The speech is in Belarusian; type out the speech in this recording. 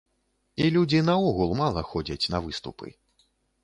І людзі наогул мала ходзяць на выступы.